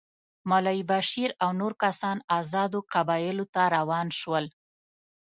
مولوي بشیر او نور کسان آزادو قبایلو ته روان شول.